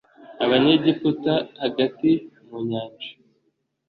Abanyegiputa hagati mu nyanja